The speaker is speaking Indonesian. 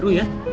tu seru ya